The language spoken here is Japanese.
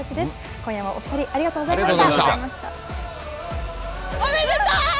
今夜は本当にありがとうございました。